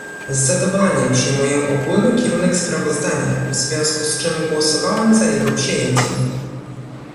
Z zadowoleniem przyjmuję ogólny kierunek sprawozdania, w związku z czym głosowałem za jego przyjęciem